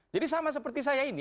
jadi sama seperti saya ini